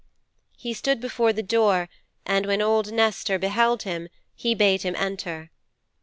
'He stood before the door, and when old Nestor beheld him he bade him enter.